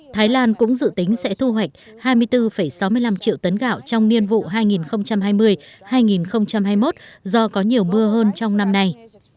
thái lan cũng dự tính sẽ thu hoạch hai mươi bốn sáu mươi năm triệu tấn gạo trong niên vụ hai nghìn hai mươi hai nghìn hai mươi một do có nhiều mưa hơn trong năm nay